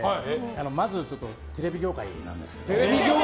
まずテレビ業界なんですけど。